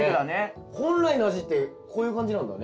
本来の味ってこういう感じなんだね。